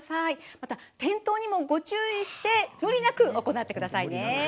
また転倒にもご注意して無理なく行ってくださいね。